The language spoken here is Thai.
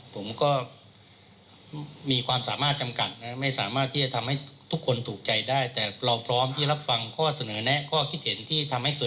โปรดติดตามตอนต่อไป